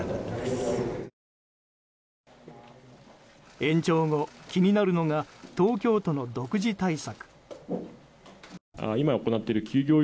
延長後、気になるのが東京都の独自対策。